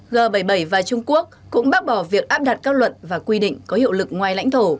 hội nghị thượng đỉnh g bảy mươi bảy và trung quốc cũng bác bỏ việc áp đặt các luận và quy định có hiệu lực ngoài lãnh thổ